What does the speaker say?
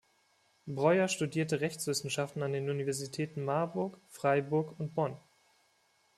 Breuer studierte Rechtswissenschaften an den Universitäten Marburg, Freiburg und Bonn.